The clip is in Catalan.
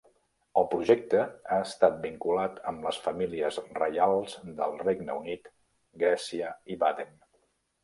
El projecte ha restat vinculat amb les famílies reials del Regne Unit, Grècia i Baden.